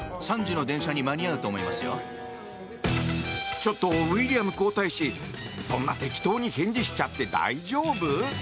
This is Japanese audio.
ちょっと、ウィリアム皇太子そんな適当に返事しちゃって大丈夫？